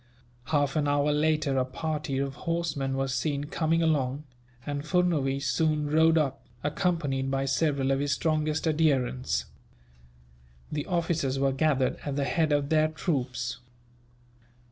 Half an hour later a party of horsemen were seen coming along, and Furnuwees soon rode up, accompanied by several of his strongest adherents. The officers were gathered at the head of their troops.